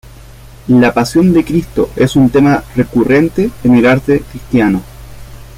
La Pasión de Cristo es un tema recurrente en el arte cristiano.